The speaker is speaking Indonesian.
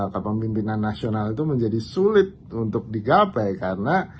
kepemimpinan nasional itu menjadi sulit untuk digapai karena